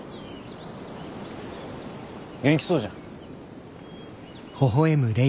元気そうじゃん。